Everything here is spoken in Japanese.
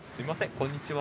こんにちは。